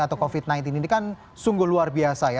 atau covid sembilan belas ini kan sungguh luar biasa ya